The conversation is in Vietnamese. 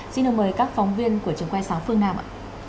xin mời các phóng viên của trường quay sáng phương nam ạ